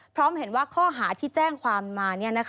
พร้อมเห็นว่าข้อหาที่แจ้งความมา